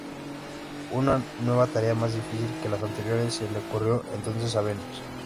Una nueva tarea, más difícil que las anteriores, se le ocurrió entonces a Venus.